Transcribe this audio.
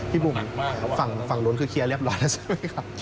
บุ๋มฝั่งนู้นคือเคลียร์เรียบร้อยแล้วใช่ไหมครับ